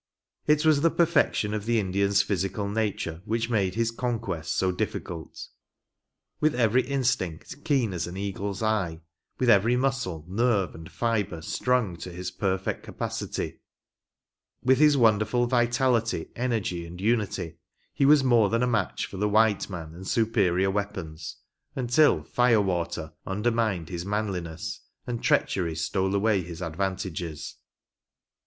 It was the perfection of the Indian's physical nature which made his conquest so difficult. With every instinct keen as an eagle's eye, with every muscle, nerve and fibre strung to its perfect capacity; with his wonderful vitality, energy and unity, he was more than a match for the white man and superior weapons, until " firewater " undermined his manliness, and treachery stole away his advantages.